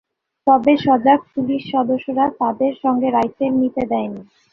তবে সজাগ পুলিশ সদস্যরা তাদের সঙ্গে রাইফেল নিতে দেয়নি।